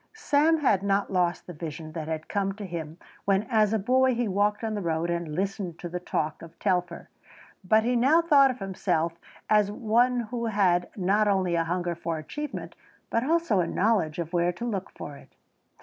Sam had not lost the vision that had come to him when as a boy he walked on the road and listened to the talk of Telfer, but he now thought of himself as one who had not only a hunger for achievement but also a knowledge of where to look for it.